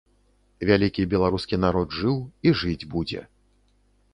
Вялікі беларускі народ жыў і жыць будзе.